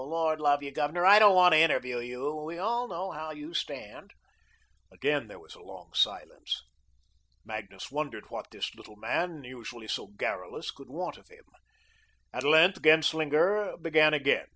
Lord love you, Governor, I don't want to interview you. We all know how you stand." Again there was a long silence. Magnus wondered what this little man, usually so garrulous, could want of him. At length, Genslinger began again.